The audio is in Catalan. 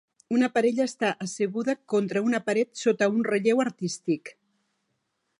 Una parella està asseguda contra una paret, sota un relleu artístic.